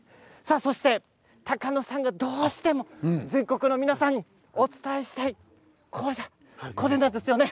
そして高野さんがどうしても全国の皆さんにお伝えしたいこれなんですよね。